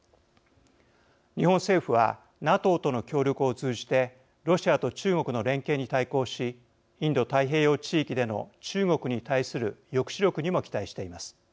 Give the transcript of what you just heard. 日本政府はＮＡＴＯとの協力を通じてロシアと中国の連携に対抗しインド太平洋地域での中国に対する抑止力にも期待しています。